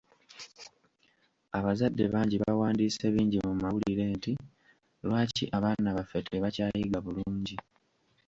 Abazadde bangi bawandiise bingi mu mawulire nti: "Lwaki abaana baffe tebakyayiga bulungi?"